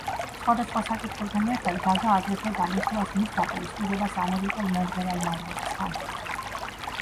სხვადასხვა საკითხებთან ერთად გაგა აგრეთვე განიხილავს მის დაპირისპირებას ამერიკელ მომღერალ მადონასთან.